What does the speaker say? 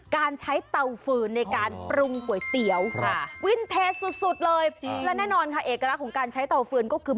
การใช้เตาฟืนในการปรุงก๋วยเตี๋ยววินเทสุดเลยและแน่นอนค่ะเอกลักษณ์ของการใช้เตาฟืนก็คือ